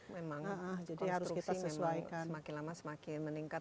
memang konstruksi memang semakin lama semakin meningkat